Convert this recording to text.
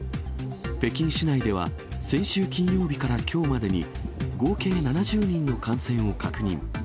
北京市内では、先週金曜日からきょうまでに合計７０人の感染を確認。